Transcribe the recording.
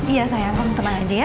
iya sayang kamu tenang aja ya